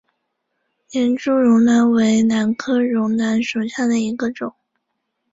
连珠绒兰为兰科绒兰属下的一个种。